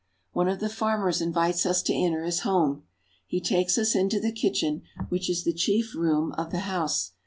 One of the farmers invites us to enter his home. He takes us into the kitchen, which is the chief room of the house.